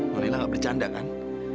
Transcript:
nonila nggak bercanda kan